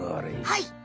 はい。